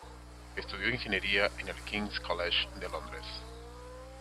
Estudió ingeniería en el King's College de Londres.